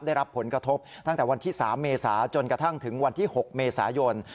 ได้รับผลกระทบตั้งแต่วันที่๓เมษาจนกระทั่งถึงวันที่๖เมษายน